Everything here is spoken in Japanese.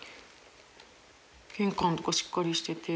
玄関とかしっかりしてて。